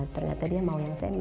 ternyata dia mau yang seni